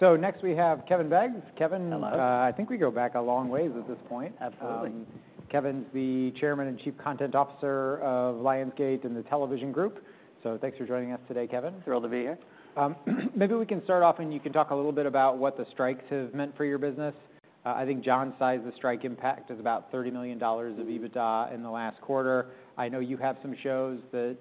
Next we have Kevin Beggs. Kevin- Hello. I think we go back a long ways at this point. Absolutely. Kevin the Chairman and Chief Content Officer of Lionsgate and the Television Group. Thanks for joining us today, Kevin. Thrilled to be here. Maybe we can start off, and you can talk a little bit about what the strikes have meant for your business. I think John sized the strike impact as about $30 million of EBITDA in the last quarter. I know you have some shows that,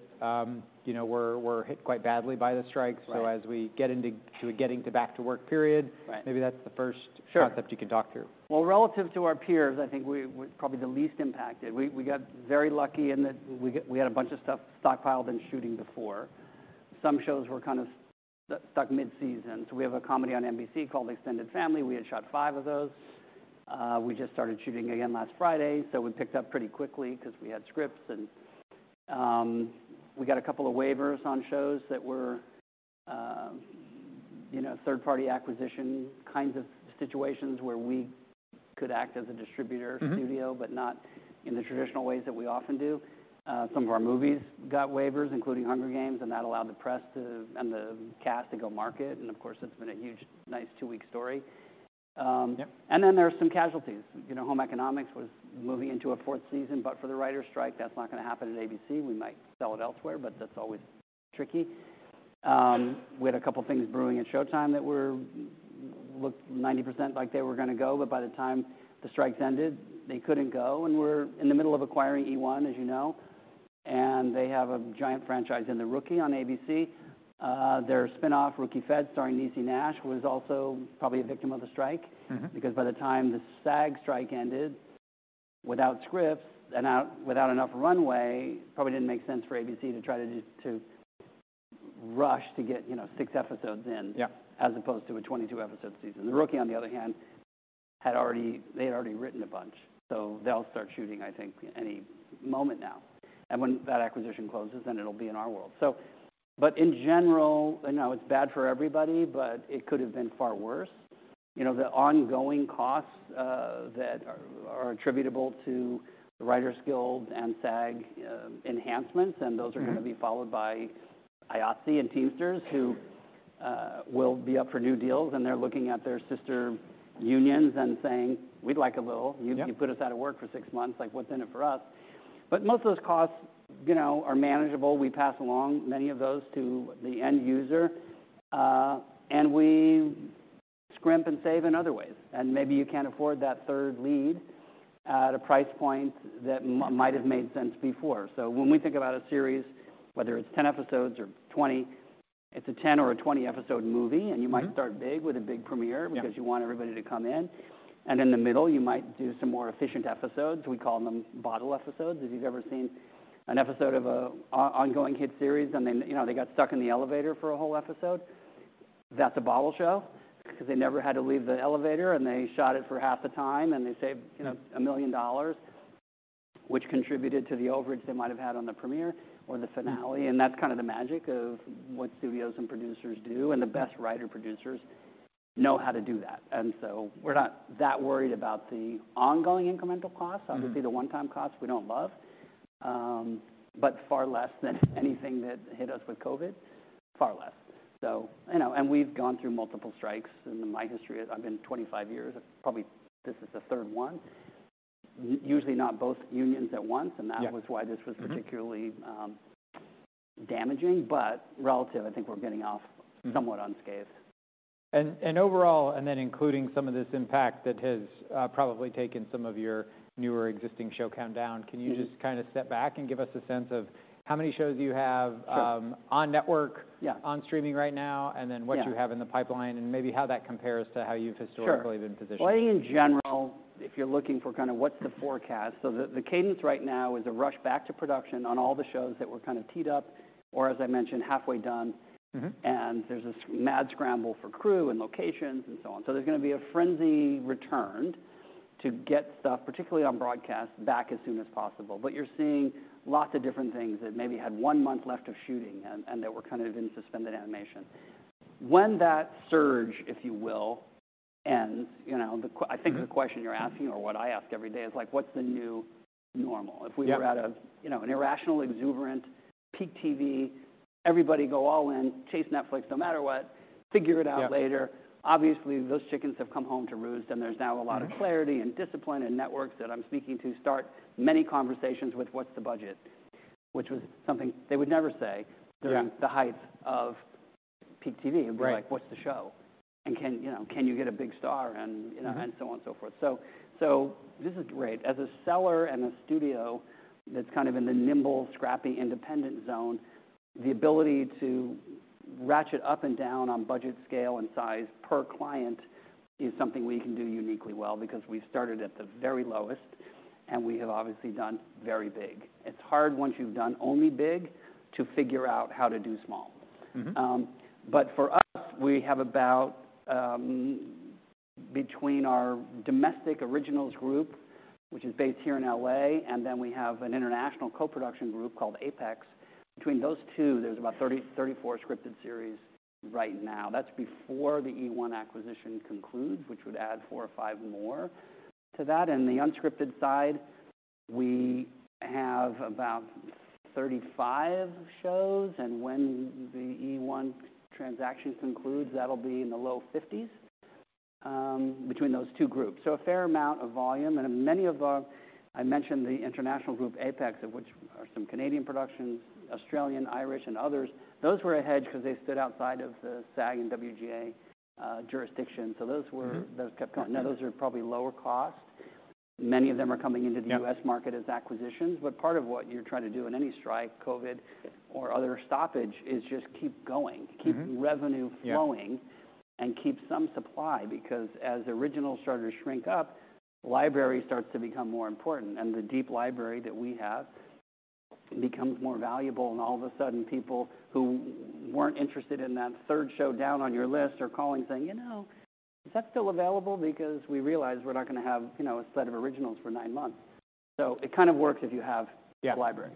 you know, were hit quite badly by the strike. So as we get into sort of getting to back-to-work period maybe that's the first- Sure concept you can talk through. Well, relative to our peers, I think we're probably the least impacted. We got very lucky in that we had a bunch of stuff stockpiled and shooting before. Some shows were kind of stuck mid-season. So we have a comedy on NBC called Extended Family. We had shot 5 of those. We just started shooting again last Friday, so we picked up pretty quickly cause we had scripts and we got a couple of waivers on shows that were, you know, third-party acquisition kinds of situations where we could act as a distributor- or studio, but not in the traditional ways that we often do. Some of our movies got waivers, including Hunger Games, and that allowed the press to, and the cast to go market, and of course, it's been a huge, nice two-week story. Then there are some casualties. You know, Home Economics was moving into a fourth season, but for the writer strike, that's not gonna happen at ABC. We might sell it elsewhere, but that's always tricky. We had a couple things brewing at Showtime that were... looked 90% like they were gonna go, but by the time the strikes ended, they couldn't go. And we're in the middle of acquiring eOne, as you know, and they have a giant franchise in The Rookie on ABC. Their spin-off, Rookie: Feds, starring Niecy Nash-Betts, was also probably a victim of the strike. Because by the time the SAG strike ended, without scripts and now without enough runway, probably didn't make sense for ABC to try to just to rush to get, you know, six episodes in as opposed to a 22-episode season. Right. The Rookie, on the other hand, had already—they had already written a bunch, so they'll start shooting, I think, any moment now. And when that acquisition closes, then it'll be in our world. So, but in general, you know, it's bad for everybody, but it could have been far worse. You know, the ongoing costs that are attributable to the Writers Guild and SAG enhancements, and those are gonna be followed by IATSE and Teamsters, who will be up for new deals, and they're looking at their sister unions and saying, "We'd like a little. You, you put us out of work for six months. Like, what's in it for us?" But most of those costs, you know, are manageable. We pass along many of those to the end user, and we scrimp and save in other ways. And maybe you can't afford that third lead at a price point that might have made sense before. So when we think about a series, whether it's 10 episodes or 20, it's a 10- or a 20-episode movie, and you might start big with a big premiere because you want everybody to come in, and in the middle, you might do some more efficient episodes. We call them bottle episodes. If you've ever seen an episode of an ongoing hit series, and then, you know, they got stuck in the elevator for a whole episode, that's a bottle show. Because they never had to leave the elevator, and they shot it for half the time, and they saved, you know, $1 million, which contributed to the overage they might have had on the premiere or the finale, and that's kind of the magic of what studios and producers do. The best writer-producers know how to do that. So we're not that worried about the ongoing incremental costs. Obviously, the one-time costs, we don't love, but far less than anything that hit us with COVID. Far less. So you know, and we've gone through multiple strikes. In my history, I've been 25 years, probably this is the third one. Usually not both unions at once, and that's was why this was particularly damaging, but relative, I think we're getting off- somewhat unscathed. And overall, then including some of this impact that has probably taken some of your newer existing show count down Can you just kind of step back and give us a sense of how many shows you have? on network on streaming right now, and then what you have in the pipeline and maybe how that compares to how you've historically been positioned. Well, I think in general, if you're looking for kind of what's the forecast, so the cadence right now is a rush back to production on all the shows that were kind of teed up, or as I mentioned, halfway done. There's this mad scramble for crew and locations and so on. There's gonna be a frenzy return to get stuff, particularly on broadcast, back as soon as possible. But you're seeing lots of different things that maybe had one month left of shooting and that were kind of in suspended animation. When that surge, if you will, ends, you know, I think the question you're asking or what I ask every day is, like, what's the new normal? If we were at a, you know, an irrational, exuberant, Peak TV, everybody go all in, chase Netflix no matter what figure it out later. Obviously, those chickens have come home to roost, and there's now a lot of clarity and discipline and networks that I'm speaking to start many conversations with, "What's the budget?" Which was something they would never say during the height of Peak TV Like, "What's the show? And can, you know, you get a big star? and so on and so forth. So, so this is great. As a seller and a studio that's kind of in the nimble, scrappy, independent zone, the ability to ratchet up and down on budget, scale, and size per client is something we can do uniquely well because we started at the very lowest, and we have obviously done very big. It's hard once you've done only big to figre out how to do small. But for us, we have about, between our domestic originals group, which is based here in L.A., and then we have an international co-production group called Apex. Between those two, there's about 30-34 scripted series right now. That's before the eOne acquisition concludes, which would add 4 or 5 more to that. And the unscripted side, we have about 35 shows, and when the eOne transaction concludes, that'll be in the low 50s, between those two groups. So a fair amount of volume, and many of our, I mentioned the international group, Apex, of which are some Canadian productions, Australian, Irish, and others. Those were a hedge because they stood outside of the SAG and WGA jurisdiction. So those were, those kept going. Now, those are probably lower cost. Many of them are coming into the U.S. market as acquisitions, but part of what you're trying to do in any strike, COVID, or other stoppage, is just keep going keep revenue flowing and keep some supply, because as originals start to shrink up, library starts to become more important. And the deep library that we have becomes more valuable, and all of a sudden, people who weren't interested in that third show down on your list are calling saying, "You know, is that still available? Because we realize we're not gonna have, you know, a set of originals for nine months." So it kind of works if you have library.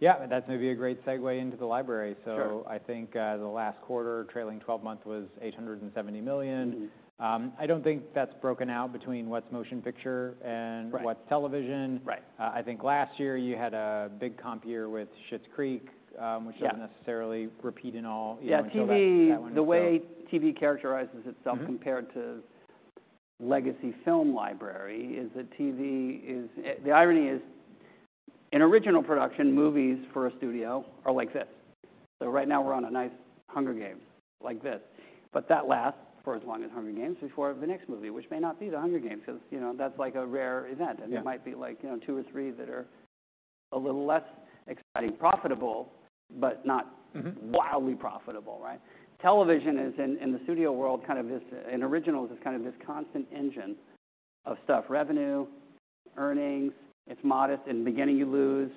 Yeah, that's maybe a great segue into the library. Sure. I think the last quarter, trailing twelve-month was $870 million. I don't think that's broken out between what's motion picture and what's television. Right. I think last year you had a big comp year with Schitt's Creek which doesn't necessarily repeat in all Yeah, TV- Go back to that one, so. The way TV characterizes itself compared to legacy film library, is that TV is... The irony is, in original production, movies for a studio are like this. So right now, we're on a nice Hunger Games, like this, but that lasts for as long as Hunger Games before the next movie, which may not be the Hunger Games, 'cause, you know, that's like a rare event. It might be like, you know, two or three that are a little less exciting. Profitable, but not Wildly profitable, right? Television is in the studio world kind of this in originals. It's kind of this constant engine of stuff, revenue, earnings. It's modest. In the beginning, you lose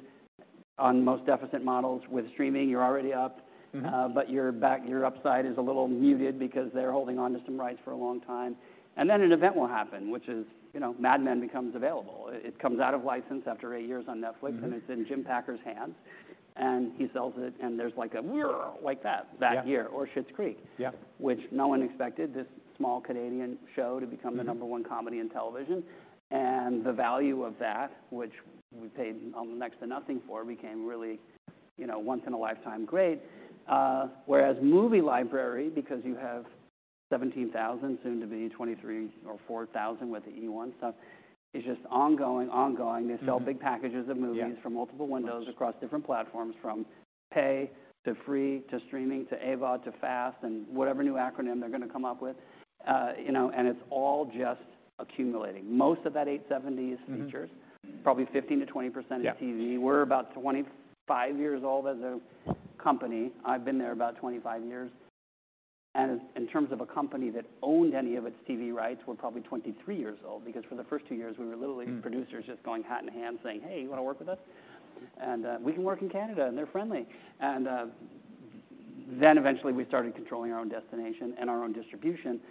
on most deficit models. With streaming, you're already up. But your upside is a little muted because they're holding on to some rights for a long time. Then an event will happen, which is, you know, Mad Men becomes available. It comes out of license after 8 years on Netflix and it's in Jim Packer's hands, and he sells it, and there's like a whirr, like that, that year or Schitt's Creek. Yeah. Which no one expected this small Canadian show to become the number one comedy in television. And the value of that, which we paid next to nothing for, became really, you know, once in a lifetime great. Whereas movie library, because you have 17,000, soon to be 23,000 or 24,000 with the eOne stuff, is just ongoing, ongoing. They sell big packages of movies from multiple windows across different platforms, from pay to free to streaming to AVOD, to FAST and whatever new acronym they're gonna come up with. You know, and it's all just accumulating. Most of that $870 is features. Probably 15%-20% is TV. We're about 25 years old as a company. I've been there about 25 years, and in terms of a company that owned any of its TV rights, we're probably 23 years old, because for the first 2 years, we were literally producers just going hat in hand saying, "Hey, you wanna work with us? And, we can work in Canada, and they're friendly." And, then eventually, we started controlling our own destination and our own distribution,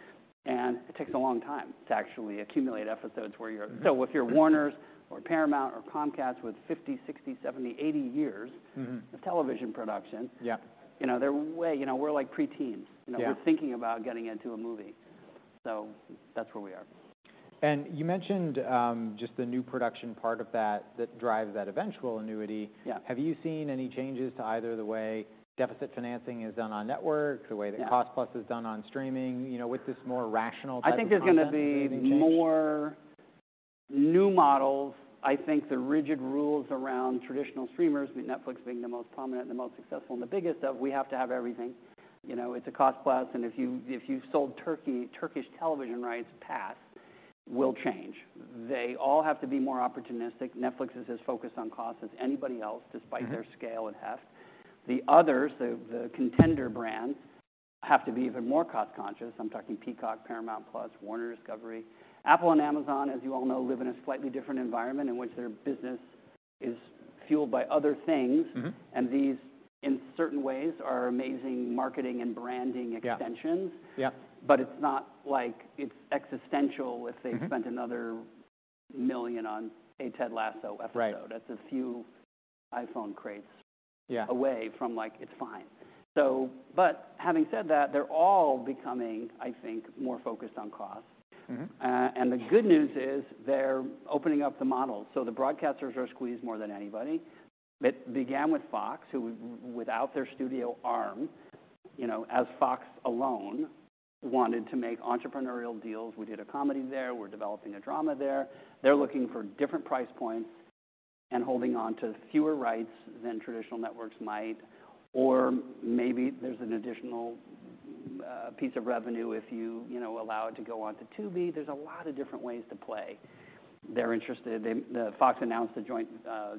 and it takes a long time to actually accumulate episodes where you're so if you're Warner's or Paramount or Comcast with 50, 60, 70, 80 years of television production You know, we're like pre-teens. You know, we're thinking about getting into a movie. That's where we are. You mentioned, just the new production part of that, that drives that eventual annuity. Have you seen any changes to either the way deficit financing is done on network? the way that cost plus is done on streaming, you know, with this more rational type of content? I think there's gonna be more new models. I think the rigid rules around traditional streamers, with Netflix being the most prominent, the most successful and the biggest, of we have to have everything. You know, it's a cost plus, and if you, if you've sold Turkey-Turkish television rights past, will change. They all have to be more opportunistic. Netflix is as focused on cost as anybody else despite their scale and heft. The others, the contender brands, have to be even more cost conscious. I'm talking Peacock, Paramount+, Warner Bros. Discovery. Apple and Amazon, as you all know, live in a slightly different environment in which their business is fueled by other things. These, in certain ways, are amazing marketing and branding extensions. But it's not like it's existential if they spent another $1 million on a Ted Lasso episode. That's a few iPhone crates away from, like, it's fine. So, but having said that, they're all becoming, I think, more focused on cost. The good news is, they're opening up the model. So the broadcasters are squeezed more than anybody. It began with Fox, who, without their studio arm, you know, as Fox alone, wanted to make entrepreneurial deals. We did a comedy there. We're developing a drama there. They're looking for different price points and holding on to fewer rights than traditional networks might, or maybe there's an additional piece of revenue if you, you know, allow it to go on to Tubi. There's a lot of different ways to play. They're interested... Fox announced a joint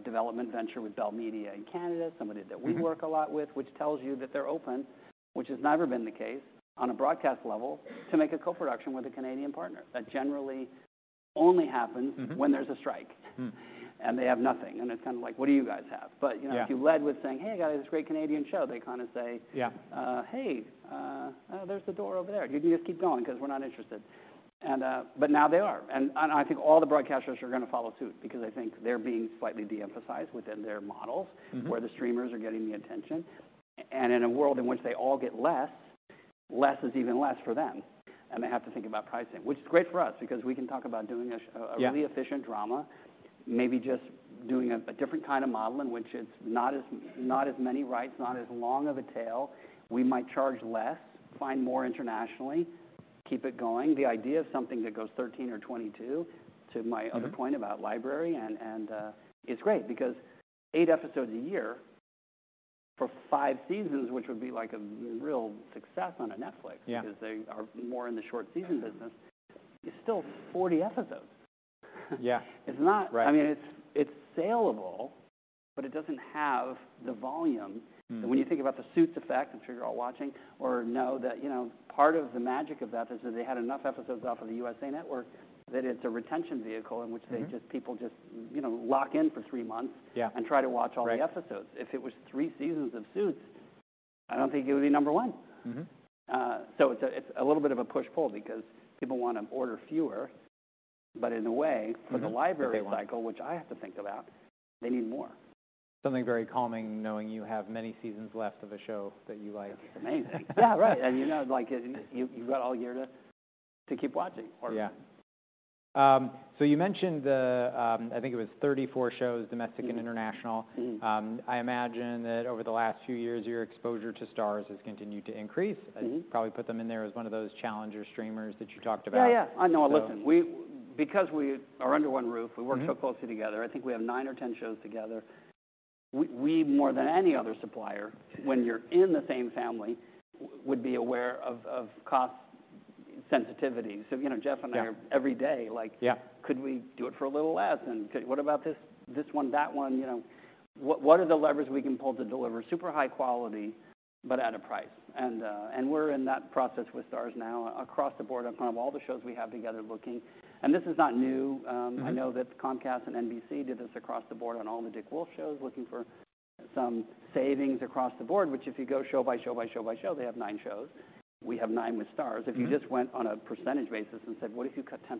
development venture with Bell Media in Canada, somebody that we work a lot with, which tells you that they're open, which has never been the case on a broadcast level, to make a co-production with a Canadian partner. That generally only happens when there's a strike. They have nothing. It's kind of like, "What do you guys have? But, you know, if you led with saying, "Hey, I got this great Canadian show," they kind of say "Hey, there's the door over there. You can just keep going, 'cause we're not interested." And, but now they are, and I think all the broadcasters are gonna follow suit, because I think they're being slightly de-emphasized within their models where the streamers are getting the attention. In a world in which they all get less, less is even less for them, and they have to think about pricing. Which is great for us, because we can talk about doing a really efficient drama, maybe just doing a different kind of model, in which it's not as many rights, not as long of a tail. We might charge less, find more internationally, keep it going. The idea of something that goes 13 or 22, to my other point about library, it's great. Because 8 episodes a year for 5 seasons, which would be, like, a real success on a Netflix because they are more in the short season business, is still 40 episodes. It's not I mean, it's sellable, but it doesn't have the volume. So when you think about the Suits effect, I'm sure you're all watching or know that, you know, part of the magic of that is that they had enough episodes off of the USA Network that it's a retention vehicle in which people just, you know, lock in for three months. And try to watch all the episodes. If it was three seasons of Suits, I don't think it would be number one. So it's a little bit of a push/pull because people wanna order fewer, but in a way for the library cycle. They want which I have to think about, they need more. Something very calming, knowing you have many seasons left of a show that you like. It's amazing. Yeah, right. And you know, like, you've got all year to keep watching, Yeah. So you mentioned the, I think it was 34 shows, domestic and international. I imagine that over the last few years, your exposure to STARZ has continued to increase. I'd probably put them in there as one of those challenger streamers that you talked about. Yeah, yeah. I know. Listen, we because we are under one roof we work so closely together, I think we have 9 or 10 shows together, we more than any other supplier, when you're in the same family, would be aware of cost sensitivity. So, you know, Jeff and I are every day like could we do it for a little less? And could-- what about this, this one, that one? You know, what, what are the levers we can pull to deliver super high quality, but at a price? And, and we're in that process with STARZ now across the board on kind of all the shows we have together, looking... And this is not new. I know that Comcast and NBC did this across the board on all the Dick Wolf shows, looking for some savings across the board, which if you go show by show, by show, by show, they have nine shows. We have nine with Starz. If you just went on a percentage basis and said, "What if you cut 10%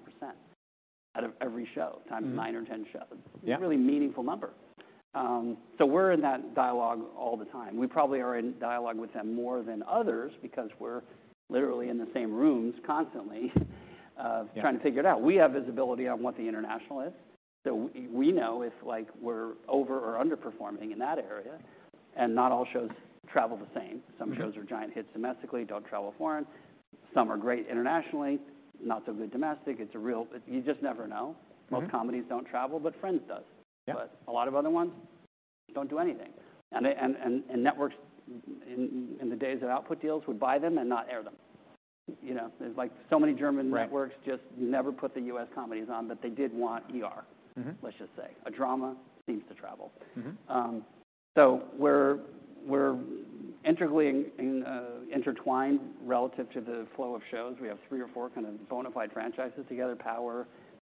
out of every show times 9 or 10 shows? A really meaningful number. So we're in that dialogue all the time. We probably are in dialogue with them more than others because we're literally in the same rooms constantly, trying to figure it out. We have visibility on what the international is, so we know if, like, we're over or underperforming in that area, and not all shows travel the same. Some shows are giant hits domestically, don't travel foreign. Some are great internationally, not so good domestic. It's a real. You just never know. Most comedies don't travel, but Friends does. But a lot of other ones don't do anything. And they, networks in the days of output deals, would buy them and not air them. You know, there's like so many German networks just never put the U.S. comedies on, but they did want ER. Let's just say, a drama seems to travel. So we're integrally intertwined relative to the flow of shows. We have three or four kind of bona fide franchises together, Power,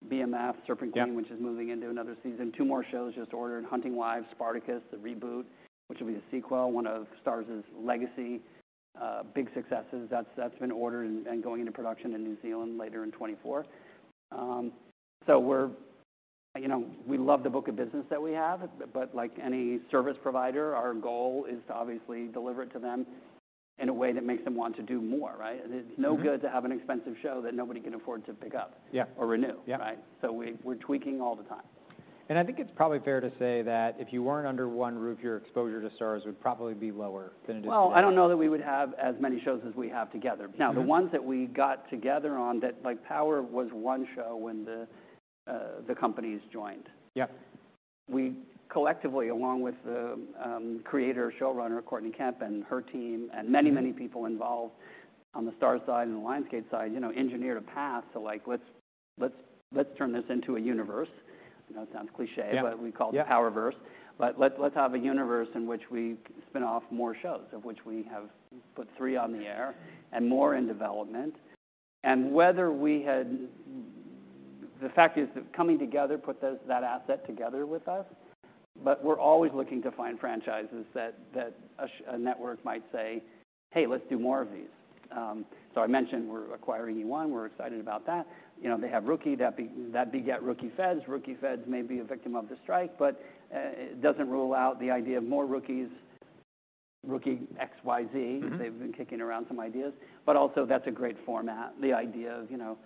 BMF, Serpent Queen which is moving into another season. Two more shows just ordered, Hunting Wives, Spartacus, the reboot, which will be a sequel, one of STARZ's legacy, big successes. That's, that's been ordered and, and going into production in New Zealand later in 2024. So we're, you know, we love the book of business that we have, but like any service provider, our goal is to obviously deliver it to them in a way that makes them want to do more, right? It's no good to have an expensive show that nobody can afford to pick up or renew. Right? So we're tweaking all the time. I think it's probably fair to say that if you weren't under one roof, your exposure to STARZ would probably be lower than Well, I don't know that we would have as many shows as we have together. Now, the ones that we got together on, that, like Power, was one show when the companies joined. We collectively, along with the creator, showrunner, Courtney Kemp, and her team and many, many people involved on the STARZ side and the Lionsgate side, you know, engineered a path to like, let's, let's, let's turn this into a universe. I know it sounds cliché but we call it Power verse. But let's have a universe in which we spin off more shows, of which we have put three on the air and more in development. The fact is that coming together put that asset together with us, but we're always looking to find franchises that a network might say, "Hey, let's do more of these." So I mentioned we're acquiring eOne. We're excited about that. You know, they have The Rookie that begat The Rookie: Feds. The Rookie: Feds may be a victim of the strike, but it doesn't rule out the idea of more Rookies, Rookie XYZ. They've been kicking around some ideas, but also that's a great format, the idea of, you know,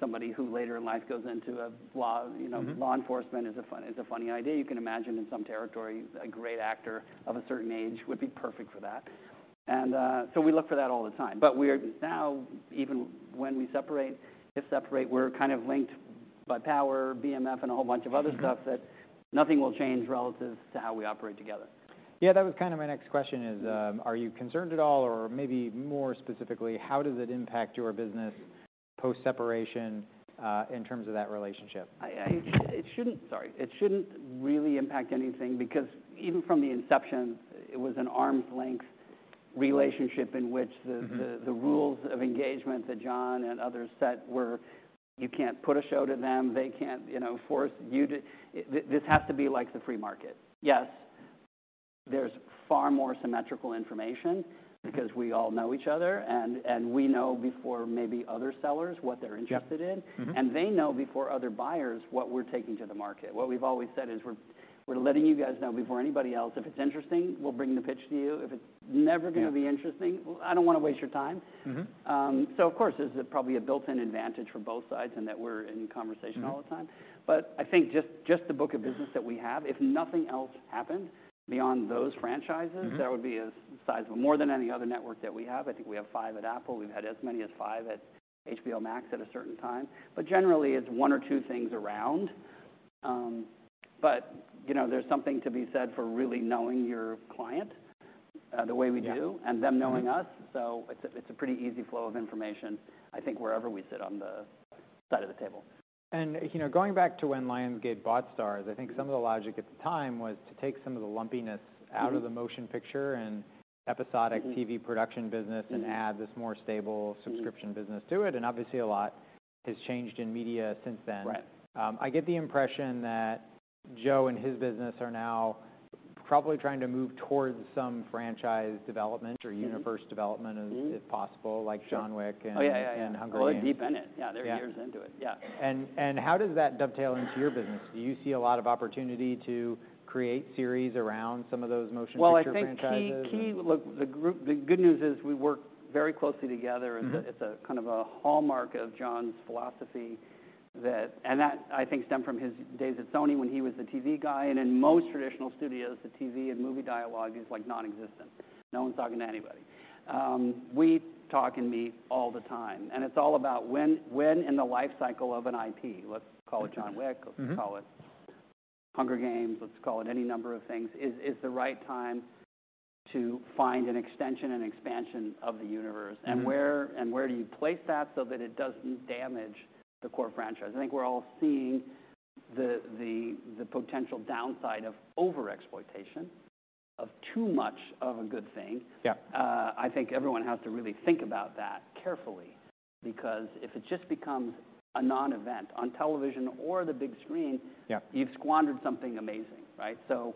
somebody who later in life goes into a law, you know law enforcement is a fun, is a funny idea. You can imagine in some territories, a great actor of a certain age would be perfect for that. And, so we look for that all the time. But we're now, even when we separate, if separate, we're kind of linked by Power, BMF, and a whole bunch of other stuff that nothing will change relative to how we operate together. Yeah, that was kind of my next question is are you concerned at all, or maybe more specifically, how does it impact your business post-separation, in terms of that relationship? Sorry. It shouldn't really impact anything because even from the inception, it was an arm's length relationship in which the the rules of engagement that John and others set were, you can't put a show to them, they can't, you know, force you to... This has to be like the free market.... there's far more symmetrical information because we all know each other, and we know before maybe other sellers, what they're interested in. They know before other buyers what we're taking to the market. What we've always said is we're letting you guys know before anybody else, if it's interesting, we'll bring the pitch to you. If it's never. Gonna be interesting, I don't wanna waste your time. Of course, there's probably a built-in advantage for both sides and that we're in conversation all the time. I think just the book of business that we have, if nothing else happened beyond those franchises that would be as sizable, more than any other network that we have. I think we have five at Apple. We've had as many as five at HBO Max at a certain time, but generally, it's one or two things around. But, you know, there's something to be said for really knowing your client, the way we do and them knowing us. So it's a, it's a pretty easy flow of information, I think, wherever we sit on the side of the table. You know, going back to when Lionsgate bought STARZ, I think some of the logic at the time was to take some of the lumpiness out of the motion picture and episodic TV production business and add this more stable subscription business to it, and obviously, a lot has changed in media since then. I get the impression that Joe and his business are now probably trying to move toward some franchise development or universe development if possible, like John Wick and Hunger Games. Oh, deep in it. Yeah, they're years into it. How does that dovetail into your business? Do you see a lot of opportunity to create series around some of those motion picture franchises? Well, I think key. Look, the group, the good news is we work very closely together. It's a kind of a hallmark of John's philosophy that, and that, I think, stemmed from his days at Sony when he was the TV guy. In most traditional studios, the TV and movie dialogue is, like, nonexistent. No one's talking to anybody. We talk and meet all the time, and it's all about when in the life cycle of an IP, let's call it John Wick or let's call it Hunger Games, let's call it any number of things, is the right time to find an extension and expansion of the universe? Where do you place that so that it doesn't damage the core franchise? I think we're all seeing the potential downside of overexploitation, of too much of a good thing. I think everyone has to really think about that carefully, because if it just becomes a non-event on television or the big screen you've squandered something amazing, right? So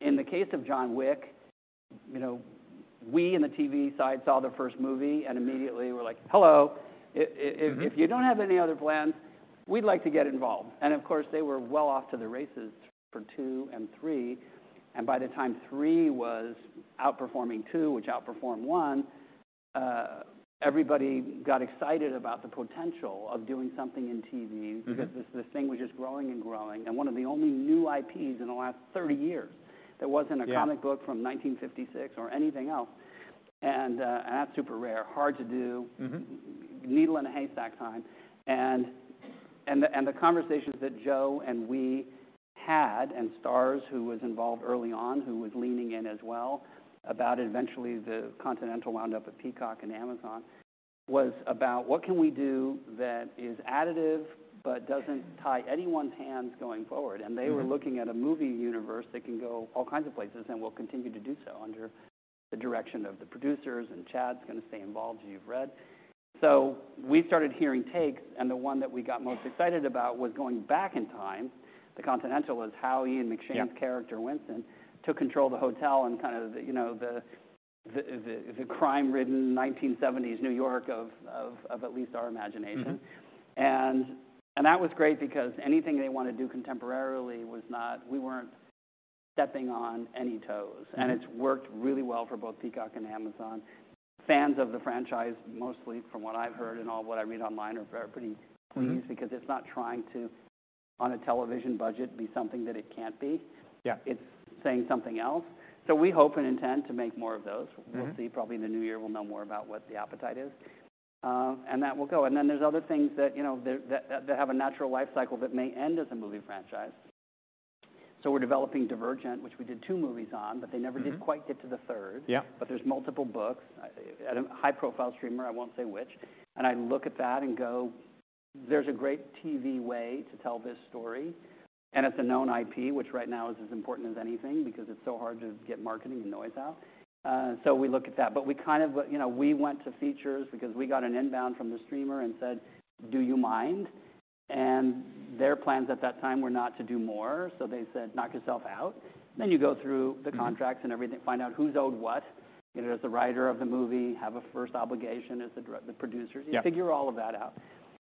in the case of John Wick, you know, we, in the TV side, saw the first movie, and immediately we're like: "Hello! If, if you don't have any other plans, we'd like to get involved." And of course, they were well off to the races for two and three, and by the time three was outperforming two, which outperformed one, everybody got excited about the potential of doing something in TV because this, this thing was just growing and growing. One of the only new IPs in the last 30 years, that wasn't a comic book from 1956 or anything else. And that's super rare, hard to do. Needle in a haystack time. And the conversations that Joe and we had, and STARZ, who was involved early on, who was leaning in as well, about eventually The Continental wound up at Peacock and Amazon, was about what can we do that is additive but doesn't tie anyone's hands going forward? They were looking at a movie universe that can go all kinds of places and will continue to do so under the direction of the producers, and Chad's gonna stay involved, as you've read. So we started hearing takes, and the one that we got most excited about was going back in time. The Continental was how Ian McShane's character, Winston, took control of the hotel and kind of, you know, the crime-ridden 1970s New York of at least our imagination. That was great because anything they want to do contemporarily was not, we weren't stepping on any toes, and it's worked really well for both Peacock and Amazon. Fans of the franchise, mostly from what I've heard and all what I read online, are very pretty pleased because it's not trying to, on a television budget, be something that it can't be. It's saying something else. So we hope and intend to make more of those. We'll see. Probably in the new year, we'll know more about what the appetite is, and that will go. And then there's other things that, you know, that have a natural life cycle that may end as a movie franchise. So we're developing Divergent, which we did two movies on, but they never did quite get to the third. But there's multiple books at a high-profile streamer. I won't say which, and I look at that and go, "There's a great TV way to tell this story." And it's a known IP, which right now is as important as anything because it's so hard to get marketing and noise out. So we look at that. But we kind of, you know, we went to features because we got an inbound from the streamer and said, "Do you mind?" And their plans at that time were not to do more, so they said, "Knock yourself out." Then you go through the contracts and everything, find out who's owed what. You know, does the writer of the movie have a first obligation? As the producers? You figure all of that out,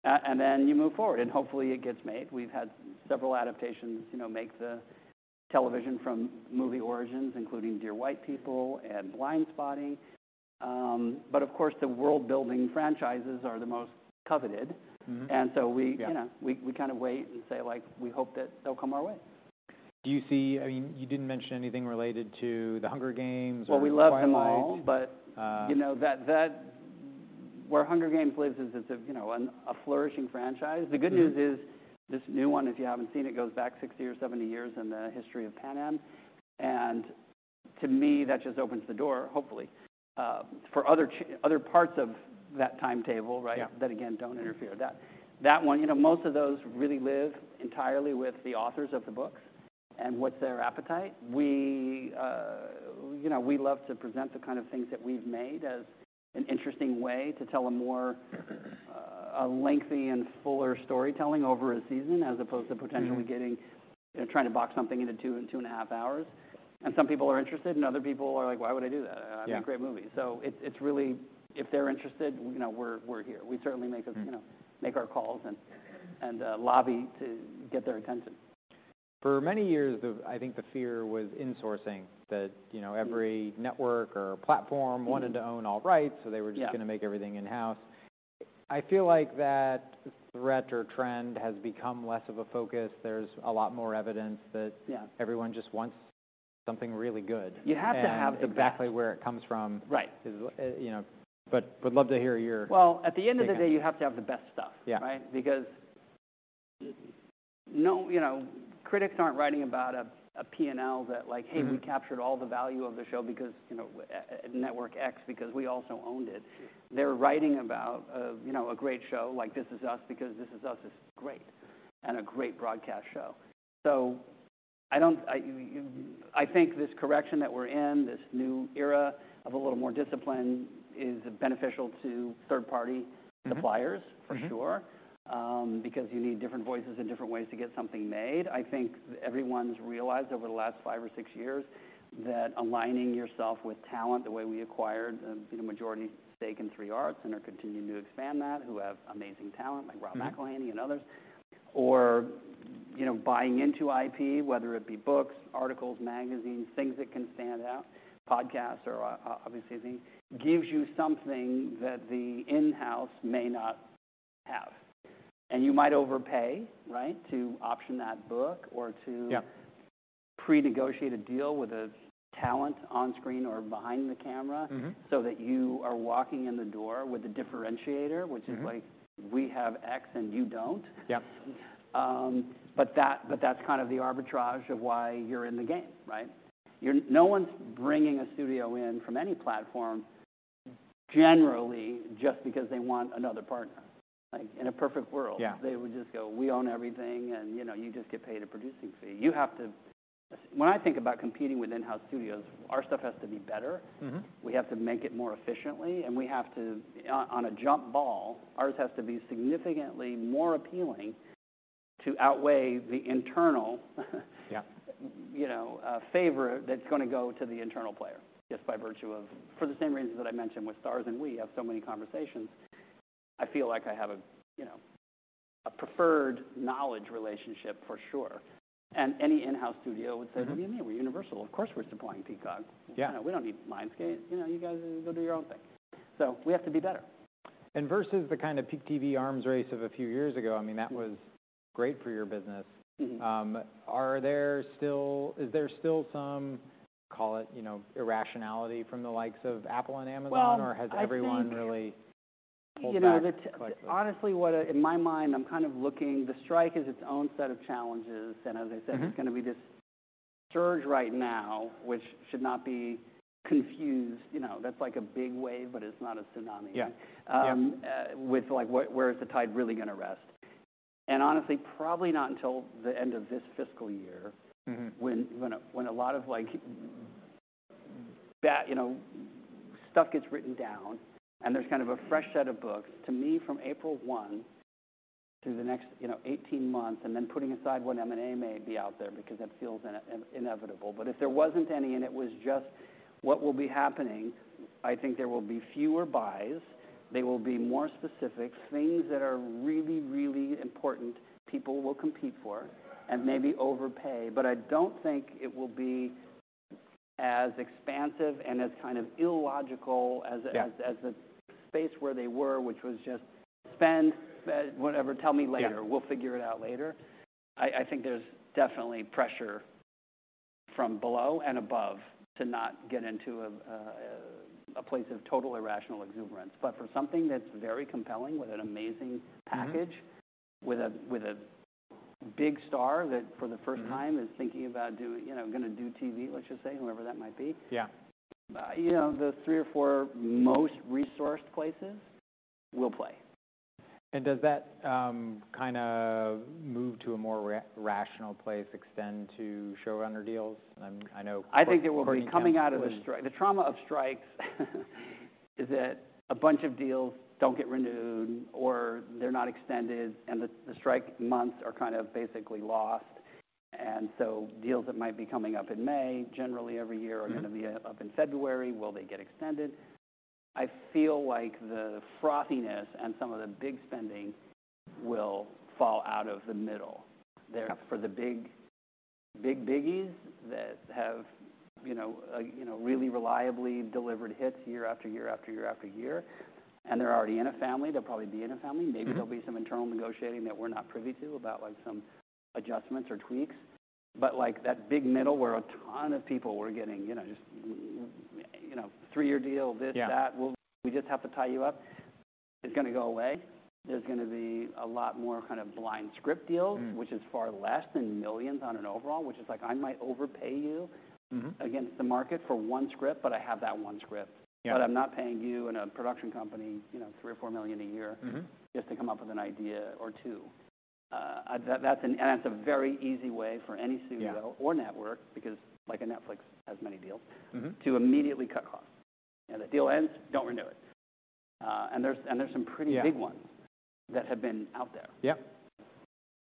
and then you move forward, and hopefully it gets made. We've had several adaptations, you know, make the television from movie origins, including Dear White People and Blindspotting. But of course, the world-building franchises are the most coveted. And so we kind of wait and say, like, we hope that they'll come our way. Do you see... I mean, you didn't mention anything related to The Hunger Games or Twilight You know, that where Hunger Games lives is, it's a flourishing franchise. The good news is this new one, if you haven't seen it, goes back 60 or 70 years in the history of Panem, and to me, that just opens the door, hopefully, for other parts of that timetable, right? That again, don't interfere. That, that one, you know, most of those really live entirely with the authors of the books and what's their appetite. We, you know, we love to present the kind of things that we've made as an interesting way to tell a more, a lengthy and fuller storytelling over a season, as opposed to potentially getting, you know, trying to box something into 2, 2.5 hours. And some people are interested, and other people are like: "Why would I do that? I make great movies." So it's really if they're interested, you know, we're here. We certainly make our calls and lobby to get their attention. For many years, I think the fear was insourcing, that, you know every network or platform wanted to own all rights, so they were just gonna make everything in-house. I feel like that threat or trend has become less of a focus. There's a lot more evidence that everyone just wants something really good. You have to have the best. Exactly where it comes from Right you know, but would love to hear your take on it. Well, at the end of the day, you have to have the best stuff. Yeah. Right? Because no, you know, critics aren't writing about a P&L that like "Hey, we captured all the value of the show because, you know, network X, because we also owned it." They're writing about, you know, a great show, like This Is Us, because This Is Us is great and a great broadcast show. So I don't, I think this correction that we're in, this new era of a little more discipline, is beneficial to third-party suppliers for sure. Because you need different voices and different ways to get something made. I think everyone's realized over the last five or six years, that aligning yourself with talent, the way we acquired a majority stake in 3 Arts and are continuing to expand that, who have amazing talent, like Rob McElhenney and others, or, you know, buying into IP, whether it be books, articles, magazines, things that can stand out, podcasts are obviously a thing, gives you something that the in-house may not have. And you might overpay, right, to option that book or to pre-negotiate a deal with a talent on screen or behind the camera, so that you are walking in the door with a differentiator Mm-hmm -which is like, we have X, and you don't. Yeah. But that's kind of the arbitrage of why you're in the game, right? You're—no one's bringing a studio in from any platform, generally, just because they want another partner. Like, in a perfect world. They would just go, "We own everything, and, you know, you just get paid a producing fee." You have to, when I think about competing with in-house studios, our stuff has to be better. We have to make it more efficiently, and we have to, on a jump ball, ours has to be significantly more appealing to outweigh the internal, favor that's gonna go to the internal player, just by virtue of... For the same reasons that I mentioned with Starz and WE, have so many conversations. I feel like I have a, you know, a preferred knowledge relationship for sure, and any in-house studio would say What do you mean? We're Universal. Of course, we're supplying Peacock. You know, we don't need Lionsgate. You know, you guys go do your own thing." So we have to be better. Versus the kind of Peak TV arms race of a few years ago, I mean, that was great for your business. Are there still—is there still some, call it, you know, irrationality from the likes of Apple and Amazon? Well, I think- Or has everyone really pulled back collectively? Honestly, what in my mind, I'm kind of looking... The strike is its own set of challenges. And as I said- there's gonna be this surge right now, which should not be confused. You know, that's like a big wave, but it's not a tsunami. With like, where is the tide really gonna rest? And honestly, probably not until the end of this fiscal year when a lot of, like, that, you know, stuff gets written down and there's kind of a fresh set of books. To me, from April 1 to the next, you know, 18 months, and then putting aside what M&A may be out there, because that feels inevitable. But if there wasn't any, and it was just what will be happening, I think there will be fewer buys. They will be more specific. Things that are really, really important, people will compete for and maybe overpay, but I don't think it will be as expansive and as kind of illogical as a space where they were, which was just spend whatever, tell me later. We'll figure it out later. I think there's definitely pressure from below and above to not get into a place of total irrational exuberance. But for something that's very compelling, with an amazing package with a big star, that for the first time is thinking about doing, you know, gonna do TV, let's just say, whoever that might be. You know, the three or four most resourced places will play. Does that kinda move to a more rational place, extend to showrunner deals? I think it will be coming out of the strike. The trauma of strikes is that a bunch of deals don't get renewed or they're not extended, and the strike months are kind of basically lost. And so deals that might be coming up in May, generally every year are gonna be up in February. Will they get extended? I feel like the frothiness and some of the big spending will fall out of the middle. Therefore, the big, big biggies that have, you know, you know, really reliably delivered hits year after year after year after year, and they're already in a family, they'll probably be in a family. Maybe there'll be some internal negotiating that we're not privy to, about, like, some adjustments or tweaks. But like, that big middle, where a ton of people were getting, you know, just, you know, three-year deal, this, that we just have to tie you up, is gonna go away. There's gonna be a lot more kind of blind script deals which is far less than millions on an overall, which is like, I might overpay you against the market for one script, but I have that one script. But I'm not paying you and a production company, you know, $3 million-$4 million a year just to come up with an idea or two. That’s a very easy way for any studio or network, because, like, a Netflix has many deals to immediately cut costs. You know, the deal ends, don't renew it. And there's some pretty big ones that have been out there. Yep.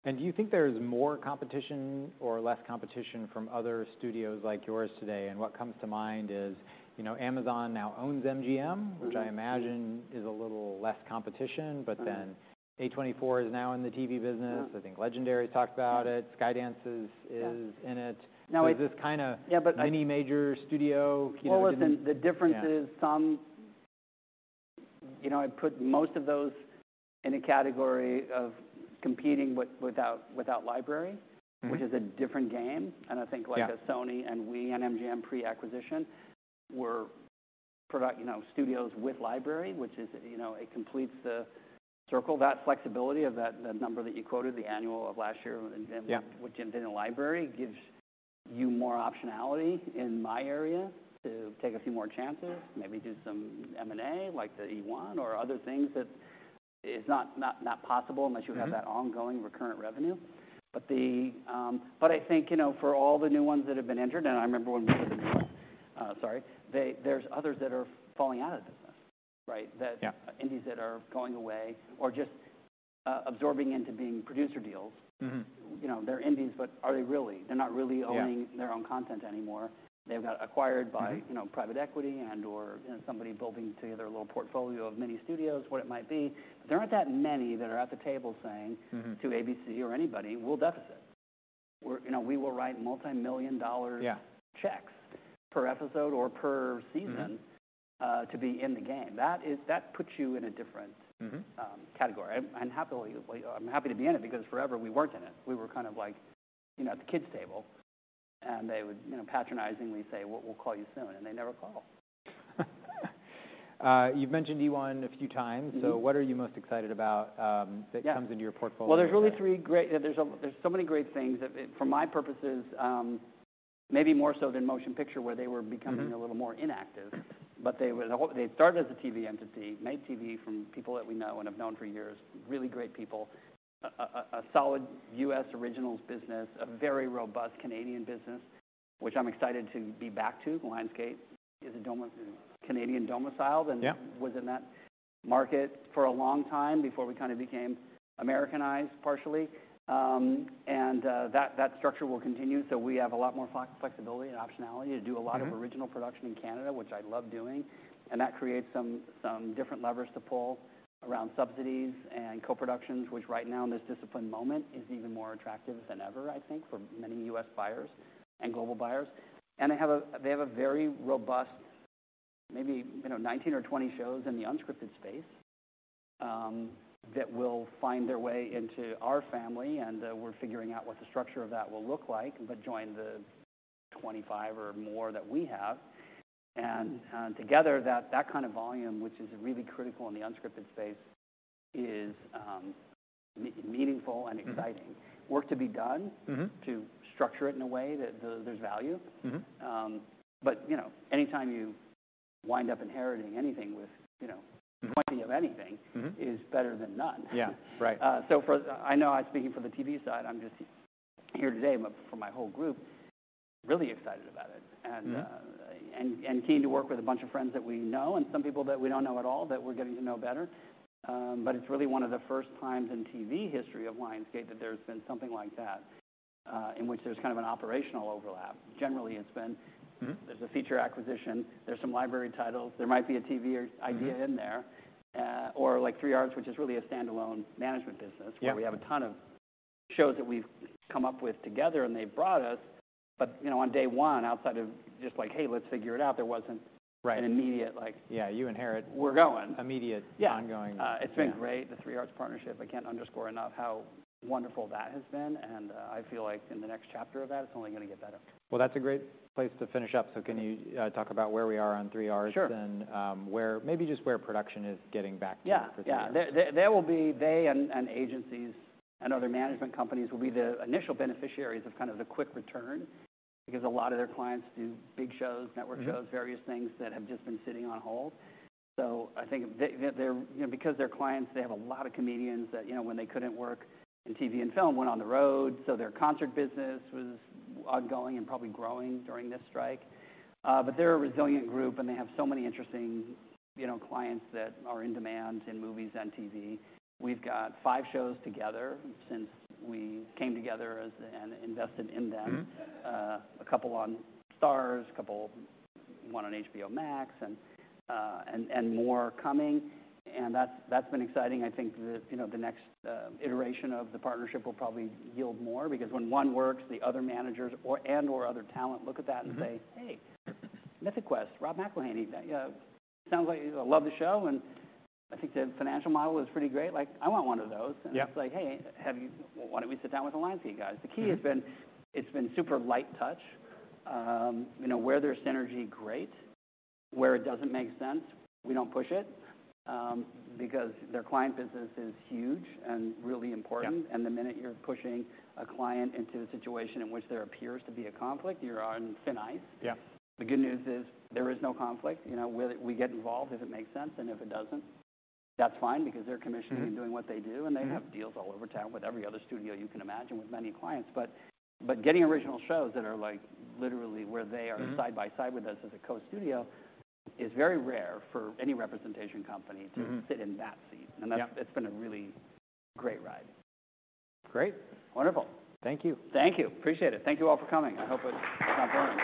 And do you think there's more competition or less competition from other studios like yours today? And what comes to mind is, you know, Amazon now owns MGM which I imagine is a little less competition but then A24 is now in the TV business. I think Legendary talked about it. Skydance is in it. Is this kind of mini major studio Well, listen, the difference is, I put most of those in a category of competing without library. Which is a different game. I think like a Sony and we, and MGM pre-acquisition, were product, you know, studios with library, which is, you know, it completes the circle. That flexibility of that, that number that you quoted, the annual of last year, and then with MGM in the library, gives you more optionality in my area to take a few more chances, maybe do some M&A, like the eOne or other things that it's not possible unless you have that ongoing recurrent revenue. But I think, you know, for all the new ones that have been entered, and I remember when we were, sorry, they, there's others that are falling out of the business, right? That indies that are going away or just absorbing into being producer deals. You know, they're indies, but are they really? They're not really owning their own content anymore. They've got acquired by private equity and/or, you know, somebody building together a little portfolio of mini studios, what it might be. There aren't that many that are at the table saying to ABC or anybody, "We'll deficit." We're, you know, we will write multi-million dollar checks per episode or per season to be in the game. That is, that puts you in a different category. I'm happy to be in it because forever we weren't in it. We were kind of like, you know, at the kids' table, and they would, you know, patronizingly say: "We'll call you soon," and they never call. You've mentioned eOne a few times. So what are you most excited about that comes into your portfolio? Well, there's really three great... There's a, there's so many great things that it, for my purposes, maybe more so than motion picture, where they were becoming a little more inactive, but they were. They started as a TV entity, made TV from people that we know and have known for years, really great people, a solid U.S. originals business, a very robust Canadian business, which I'm excited to be back to. Lionsgate is a Canadian-domiciled and was in that market for a long time before we kind of became Americanized, partially. That structure will continue, so we have a lot more flexibility and optionality to do a lot of o riginal production in Canada, which I love doing. And that creates some different levers to pull around subsidies and co-productions, which right now, in this disciplined moment, is even more attractive than ever, I think, for many U.S. buyers and global buyers. And they have a very robust, maybe, you know, 19 or 20 shows in the unscripted space that will find their way into our family, and we're figuring out what the structure of that will look like, but join the 25 or more that we have. And together, that kind of volume, which is really critical in the unscripted space, is meaningful and exciting. Work to be done to structure it in a way that there, there's value. But, anytime you wind up inheriting anything with, you know, quantity of anything is better than none. Yeah. Right. I know I'm speaking for the TV side, I'm just here today, but for my whole group, really excited about it, and keen to work with a bunch of friends that we know and some people that we don't know at all, that we're getting to know better. But it's really one of the first times in TV history of Lionsgate that there's been something like that, in which there's kind of an operational overlap. Generally, it's been there's a feature acquisition, there's some library titles, there might be a TV or idea in there, or like 3 Arts, which is really a standalone management business where we have a ton of shows that we've come up with together, and they've brought us. But, you know, on day one, outside of just like, "Hey, let's figure it out," there wasn't like we're going! immediate ongoing. It's been great, the 3 Arts partnership. I can't underscore enough how wonderful that has been, and I feel like in the next chapter of that, it's only going to get better. Well, that's a great place to finish up. So can you talk about where we are on 3 Arts? Sure. Maybe just where production is getting back to? Yeah, yeah. There will be... They and agencies and other management companies will be the initial beneficiaries of kind of the quick return, because a lot of their clients do big shows, network shows various things that have just been sitting on hold. So I think they're, you know, because they're clients, they have a lot of comedians that, you know, when they couldn't work in TV and film, went on the road. So their concert business was ongoing and probably growing during this strike. But they're a resilient group, and they have so many interesting, you know, clients that are in demand in movies and TV. We've got five shows together since we came together as, and invested in them. A couple on STARZ, a couple, one on HBO Max, and more coming, and that's been exciting. I think, you know, the next iteration of the partnership will probably yield more, because when one works, the other managers or and/or other talent look at that and say, "Hey, Mythic Quest, Rob McElhenney, sounds like. I love the show, and I think the financial model is pretty great. Like, I want one of those. It's like: Hey, have you why don't we sit down with the Lionsgate guys? The key has been, it's been super light touch. You know, where there's synergy, great. Where it doesn't make sense, we don't push it, because their client business is huge and really important. The minute you're pushing a client into a situation in which there appears to be a conflict, you're on thin ice. The good news is, there is no conflict. You know, we get involved if it makes sense, and if it doesn't, that's fine, because they're commissioners in doing what they do. They have deals all over town with every other studio you can imagine, with many clients. But, but getting original shows that are, like, literally where they are side by side with us as a co-studio is very rare for any representation company to sit in that seat. It's been a really great ride. Great. Wonderful. Thank you. Thank you. Appreciate it. Thank you all for coming. I hope it's not boring.